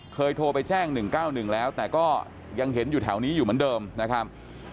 โทรไปแจ้ง๑๙๑แล้วแต่ก็ยังเห็นอยู่แถวนี้อยู่เหมือนเดิมนะครับ